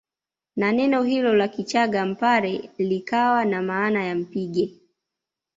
Na neno hilo la kichaga Mpare likawa na maana ya mpige